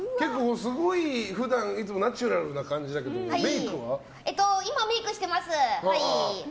普段いつもナチュラルな感じだけど今メイクしてます。